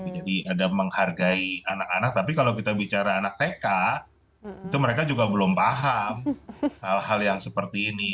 jadi ada menghargai anak anak tapi kalau kita bicara anak tk itu mereka juga belum paham hal hal yang seperti ini